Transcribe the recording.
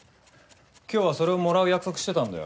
今日はそれをもらう約束してたんだよ。